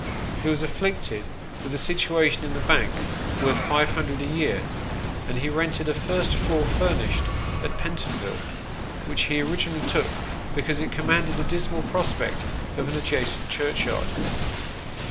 He was afflicted with a situation in the Bank worth five hundred a year, and he rented a " first floor furnished," at Pentonville, which he originally took because it commanded a dismal prospect of an adjacent churchyard.